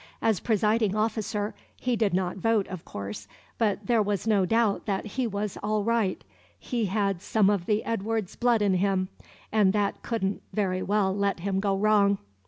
As presiding officer, he did not vote, of course, but there was no doubt that he was all right; he had some of the Edwards blood in him, and that couldn't very well let him go wrong.